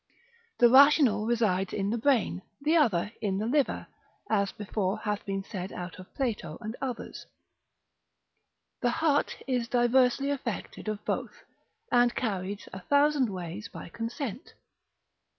The rational resides in the brain, the other in the liver (as before hath been said out of Plato and others); the heart is diversely affected of both, and carried a thousand ways by consent.